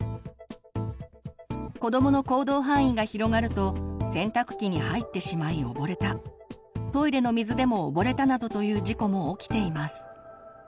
子どもの行動範囲が広がると洗濯機に入ってしまい溺れたトイレの水でも溺れたなどという事故も起きています。